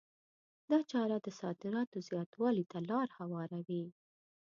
دا چاره د صادراتو زیاتوالي ته لار هواروي.